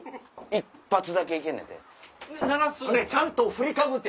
１発だけ行けんねんて。